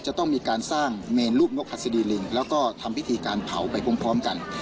จะต้องมีการสร้างเมนรูปนกหัสดีลิงแล้วก็ทำพิธีการเผาไปพร้อมกัน